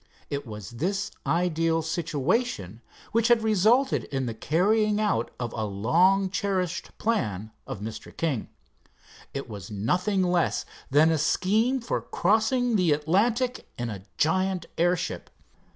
It was this ideal situation which had resulted in the carrying out of a long cherished plan of Mr. King. This was nothing less than a scheme for crossing the Atlantic in a giant airship.